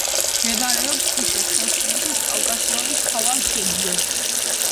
მდებარეობს თუშეთ-ხევსურეთის კავკასიონის მთავარ ქედზე.